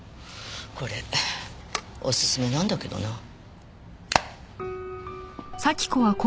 これおすすめなんだけどな。